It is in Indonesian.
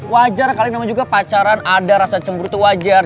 wajar kali namun juga pacaran ada rasa cemburu itu wajar